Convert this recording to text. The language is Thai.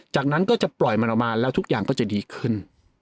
จากนั้นก็จะปล่อยมันออกมาแล้วทุกอย่างก็จะดีขึ้น